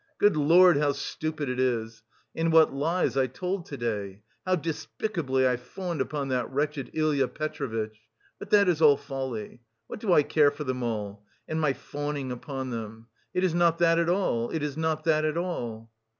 Good Lord, how stupid it is!... And what lies I told to day! How despicably I fawned upon that wretched Ilya Petrovitch! But that is all folly! What do I care for them all, and my fawning upon them! It is not that at all! It is not that at all!"